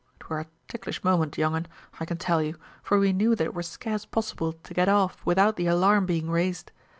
"It were a ticklish moment, young un, I can tell ye, for we knew that it were scarce possible to get off without the alarm being raised.